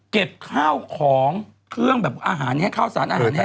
เก็บข้าวของเครื่องแบบอาหารให้ข้าวสารอาหารแห้